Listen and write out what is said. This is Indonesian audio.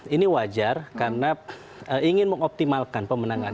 ini wajar karena ingin mengoptimalkan pemenangan